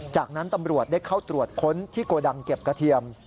จากนั้นตำรวจได้เข้าตรวจค้นที่โกดังเก็บกระเทียม